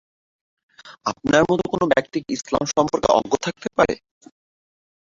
আপনার মত কোন ব্যক্তি কি ইসলাম সম্পর্কে অজ্ঞ থাকতে পারে?